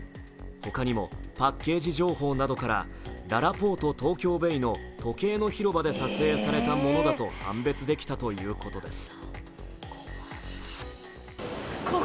他にもパッケージ情報などからららぽーとＴＯＫＹＯ−ＢＡＹの時計の広場で撮影されたものだと判別できたということです。